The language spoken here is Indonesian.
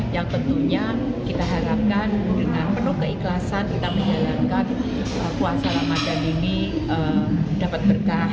yang tentunya kita harapkan dengan penuh keikhlasan kita menjalankan puasa ramadan ini dapat berkah